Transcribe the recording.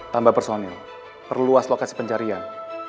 tambah personil perlu luas lokasi pencarian